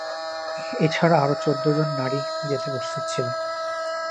এ ছাড়া আরো চৌদ্দ জন নারী যেতে প্রস্তুত ছিল।